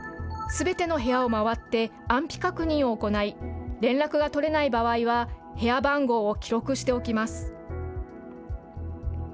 すべての部屋を回って安否確認を行い、連絡が取れない場合は、部屋番号を記録しておきます。